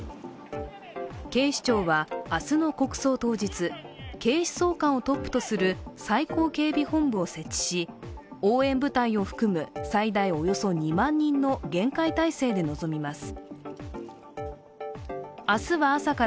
警視庁は明日の国葬当日、警視総監をトップとする最高警備本部を設置し応援部隊を含む最大およそ２万人の厳戒態勢で臨みます。